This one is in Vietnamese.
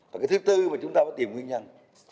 và cái thứ tư mà chúng ta phải tìm nguyên nhân